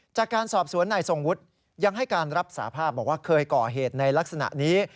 จากการสอบสวนนายทรงวุฒิยังให้การรับสาภาพบอกว่าเคยก่อเหตุในลักษณะนี้